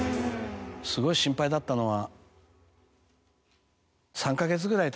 すごい心配だったのは。